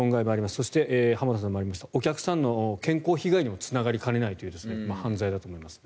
そして、浜田さんからもありましたお客さんの健康被害にもつながりかねないという犯罪だと思いますね。